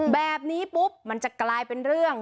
แบบนี้ปุ๊บมันจะกลายเป็นเรื่อง